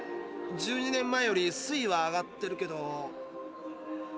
１２年前より水位は上がってるけど。